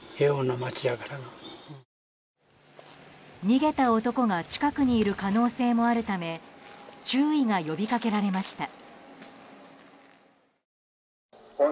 逃げた男が近くにいる可能性もあるため注意が呼びかけられました。